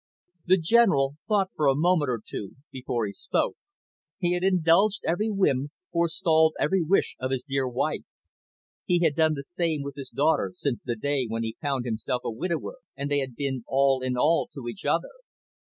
The General thought for a moment or two before he spoke. He had indulged every whim, forestalled every wish of his dear wife. He had done the same with his daughter since the day when he had found himself a widower, and they had been all in all to each other.